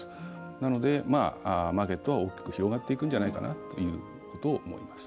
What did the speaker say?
なのでマーケットは大きく広がっていくんじゃないかと思います。